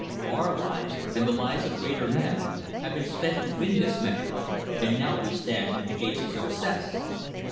Our lives, and the lives of greater men, have been spent to win this measure, and now we stand at the gates of success.